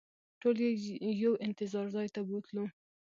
ټول یې یو انتظار ځای ته بوتلو.